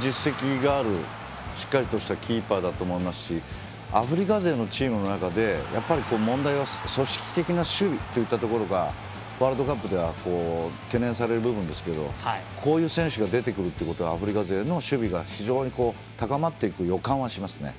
実績があるしっかりとしたキーパーだと思いますしアフリカ勢のチームの中で問題は、組織的な守備がワールドカップでは懸念される部分ですがこういう選手が出てくるということはアフリカ勢の守備が高まっていく予感はしますね。